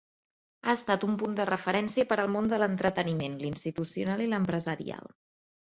Ha estat un punt de referència per al món de l'entreteniment, l'institucional i l'empresarial.